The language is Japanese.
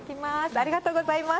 ありがとうございます。